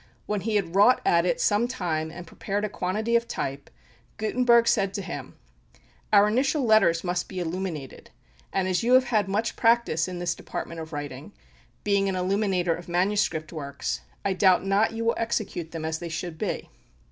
When he had wrought at it some time and prepared a quantity of type, Gutenberg said to him, "Our initial letters must be illuminated, and as you have had much practice in this department of writing, being an illuminator of manuscript works, I doubt not you will execute them as they should be."